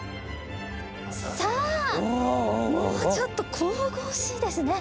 さあもうちょっと神々しいですね。